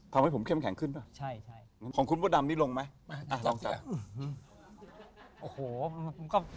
ทำให้ผมเข้มแข็งขึ้นเหรอของคุณพวกดำนี้ลงไหมลองสิครับ